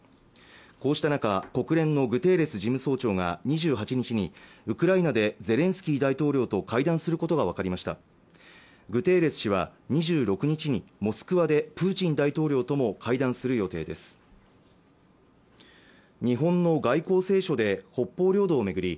こうした中国連のグテーレス事務総長が２８日にウクライナでゼレンスキー大統領と会談することが分かりましたグテーレス氏は２６日にモスクワでプーチン大統領とも会談する予定です日本の外交青書で北方領土を巡り